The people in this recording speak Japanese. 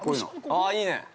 ◆あっ、いいね。